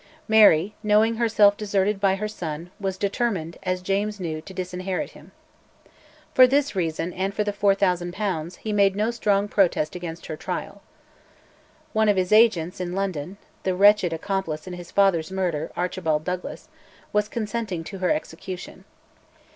Mary, knowing herself deserted by her son, was determined, as James knew, to disinherit him. For this reason, and for the 4000 pounds, he made no strong protest against her trial. One of his agents in London the wretched accomplice in his father's murder, Archibald Douglas was consenting to her execution.